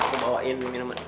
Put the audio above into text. nih aku bawain minuman